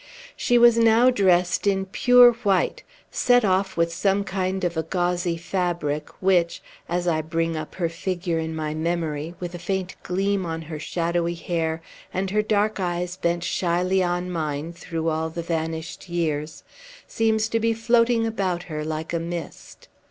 She was now dressed in pure white, set off with some kind of a gauzy fabric, which as I bring up her figure in my memory, with a faint gleam on her shadowy hair, and her dark eyes bent shyly on mine, through all the vanished years seems to be floating about her like a mist.